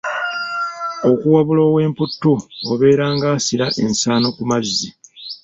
Okuwabula ow'emputtu obeera nga asira ensaano ku mazzi.